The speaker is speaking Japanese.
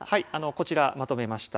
こちらにまとめました。